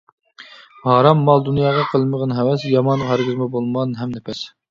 ھارام مال-دۇنياغا قىلمىغىن ھەۋەس، يامانغا ھەرگىزمۇ بولما ھەمنەپەس.